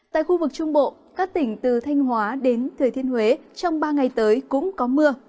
tại khu vực trung bộ các tỉnh từ thanh hóa đến thừa thiên huế trong ba ngày tới cũng có mưa